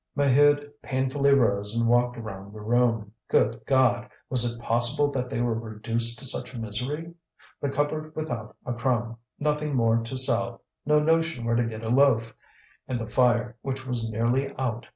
Maheude painfully rose and walked round the room. Good God! was it possible that they were reduced to such misery? The cupboard without a crumb, nothing more to sell, no notion where to get a loaf! And the fire, which was nearly out!